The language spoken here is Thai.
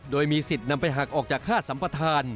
โดยมีสิทธิ์นำไปหักออกจากค่าสัมปทาน